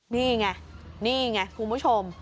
นี่ไงนี่ไงคุณผู้ชม